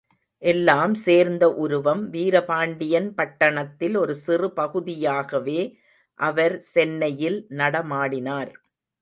எல்லாம் சேர்ந்த உருவம் வீரபாண்டியன் பட்டணத்தில் ஒரு சிறு பகுதியாகவே அவர் சென்னையில் நடமாடினார்.